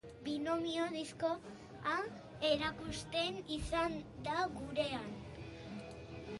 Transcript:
Binomio diskoa erakusten izan da gurean.